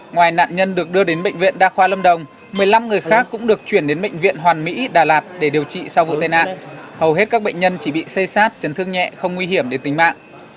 ngoài nạn nhân được đưa đến bệnh viện đa khoa lâm đồng một mươi năm người khác cũng được chuyển đến bệnh viện hoàn mỹ đà lạt để điều trị sau vụ tai nạn hầu hết các bệnh nhân chỉ bị xây sát chấn thương nhẹ không nguy hiểm đến tính mạng